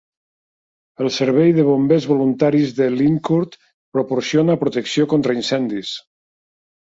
El servei de bombers voluntaris de Lyncourt proporciona protecció contra incendis.